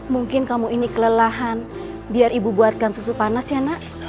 mungkin kamu ini kelelahan biar ibu buatkan susu panas ya nak